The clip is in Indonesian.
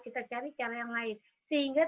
kita cari cara yang lain sehingga